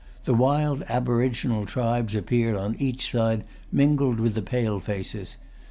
The wild aboriginal tribes appeared on each side mingled with the Pale Faces.